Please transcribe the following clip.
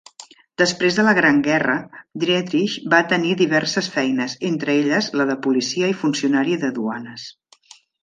Després de la Gran Guerra, Dietrich va tenir diverses feines, entre elles la de policia i funcionari de duanes.